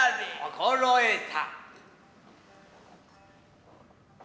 心得た。